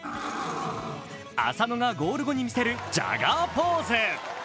浅野がゴール後に見せるジャガーポーズ。